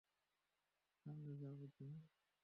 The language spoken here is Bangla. সামনে যাও, জিম।